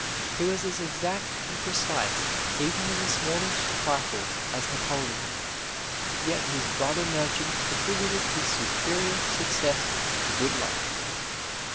He was as exact and precise even in the smallest trifles as Napoleon; yet his brother merchants attributed his superior success to good luck.